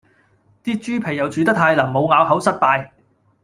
啲豬皮又煮得太淋，冇咬口，失敗